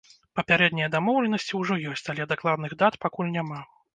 Папярэднія дамоўленасці ўжо ёсць, але дакладных дат пакуль няма.